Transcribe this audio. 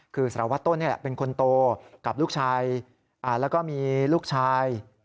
คือสารวัตรต้นเป็นคนโตกับลูกชายแล้วก็มีลูกชาย